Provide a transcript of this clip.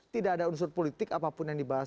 tidak ada unsur politik apapun yang dibahas